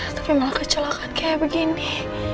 tapi malah kecelakaan kayak begini